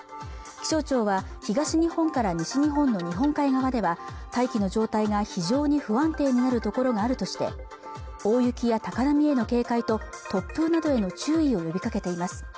気象庁は東日本から西日本の日本海側では大気の状態が非常に不安定になる所があるとして大雪や高波への警戒と突風などへの注意を呼びかけています